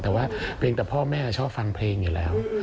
แต่ว่าเพียงแต่พ่อแม่ชอบฟังเพลงอยู่แล้ว